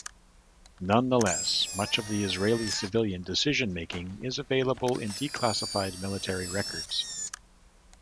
Nonetheless, much of the Israeli civilian decision-making is available in declassified military records.